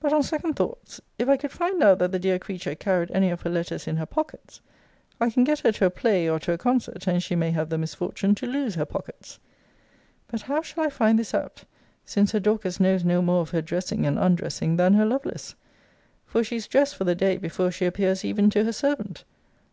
But, on second thoughts, if I could find out that the dear creature carried any of her letters in her pockets, I can get her to a play or to a concert, and she may have the misfortune to lose her pockets. But how shall I find this out; since her Dorcas knows no more of her dressing and undressing than her Lovelace? For she is dressed for the day before she appears even to her servant.